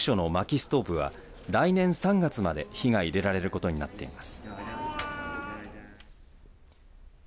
ストーブは来年３月まで火が入れられることになっています。